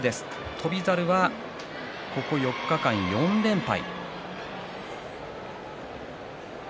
翔猿はここ４日間、４連敗。